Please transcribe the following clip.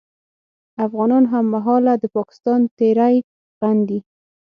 افغانان هممهاله د پاکستان تېری غندي